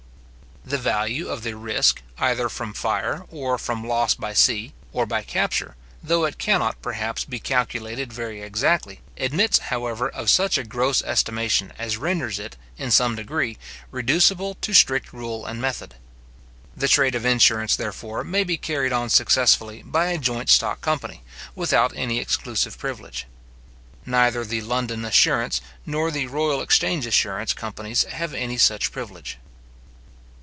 The value of the risk, either from fire, or from loss by sea, or by capture, though it cannot, perhaps, be calculated very exactly, admits, however, of such a gross estimation, as renders it, in some degree, reducible to strict rule and method. The trade of insurance, therefore, may be carried on successfully by a joint stock company, without any exclusive privilege. Neither the London Assurance, nor the Royal Exchange Assurance companies have any such privilege.